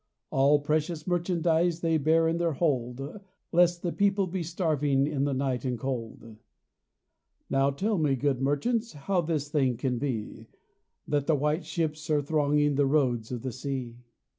All precious merchandise They bear in their hold : Lest the people be starving In the night and cold. Now tell me, good merchants, How this thing can be That the white ships are thronging The roads of the sea